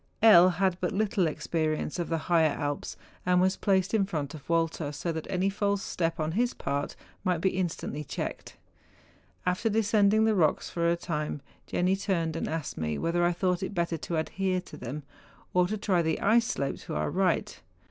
L. had had but little experience of the higher Alps, and was placed in front of Walter, so that any false step on. his part might be instantly checked. After descend¬ ing the rocks for a time, Jenni turned and asked me whether I thought it better to adhere to them, or to try the ice slope to our right.